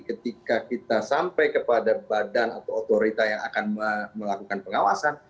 ketika kita sampai kepada badan atau otorita yang akan melakukan pengawasan